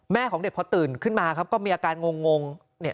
แม่ของเด็กขึ้นมามีอาการงง